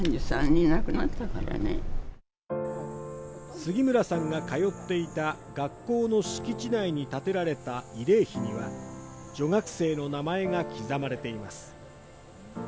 杉村さんが通っていた学校の敷地内に建てられた慰霊碑には、女学生の名前が刻まれています。